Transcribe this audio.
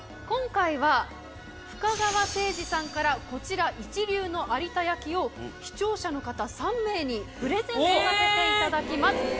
今回は深川製磁さんからこちら、一流の有田焼を視聴者の方３名にプレゼントさせていただきます。